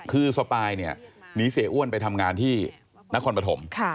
คือสปายเนี่ยหนีเสียอ้วนไปทำงานที่นครปฐม